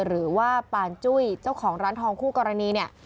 หรือว่าปานจุ้ยเจ้าของร้านทองคู่กรณีเนี่ย